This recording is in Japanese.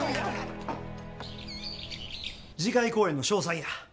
次回公演の詳細や。